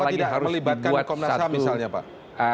atau tidak melibatkan komnas ham misalnya pak